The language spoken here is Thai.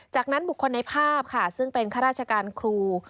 จากนั้นบุคคลในภาพค่ะซึ่งเป็นข้าราชการครู